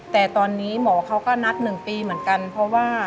แต่ตอนนี้หมอเขาก็นัด๑ปีเหมือนกันเพราะว่า